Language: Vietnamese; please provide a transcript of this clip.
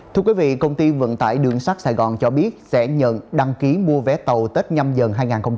thưa quý vị công ty vận tải đường sắt sài gòn cho biết sẽ nhận đăng ký mua vé tàu tết nhâm dần hai nghìn hai mươi bốn